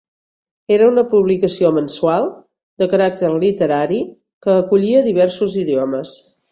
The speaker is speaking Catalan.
Era una publicació mensual de caràcter literari, que acollia diversos idiomes.